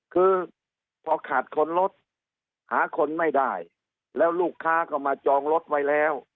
คือพอขาดคนรถหาคนไม่ได้แล้วลูกค้าก็มาจองรถไว้แล้ว